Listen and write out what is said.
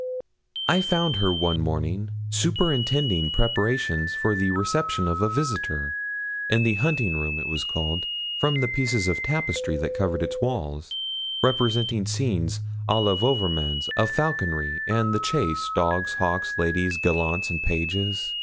I found her one morning superintending preparations for the reception of a visitor, in the hunting room it was called, from the pieces of tapestry that covered its walls, representing scenes à la Wouvermans, of falconry, and the chase, dogs, hawks, ladies, gallants, and pages.